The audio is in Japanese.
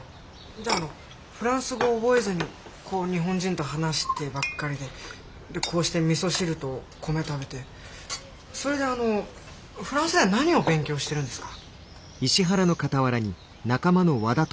じゃああのフランス語を覚えずにこう日本人と話してばっかりででこうしてみそ汁と米食べてそれであのフランスでは何を勉強してるんですか？